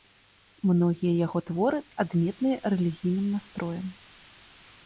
Многія яго творы адметныя рэлігійным настроем.